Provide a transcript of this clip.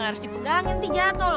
harus dipegangin jatuh